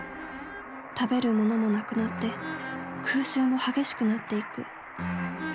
食べるものもなくなって空襲も激しくなっていく。